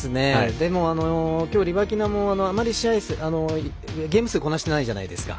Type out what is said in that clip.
でも、今日はリバキナもあまりゲーム数をこなしてないじゃないですか。